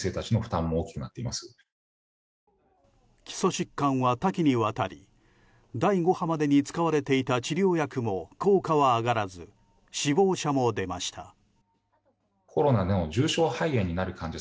基礎疾患は多岐にわたり第５波までに使われていた治療薬も効果は上がらず死亡者も出ました。